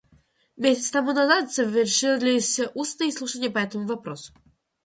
Месяц тому назад завершились устные слушания по этому вопросу.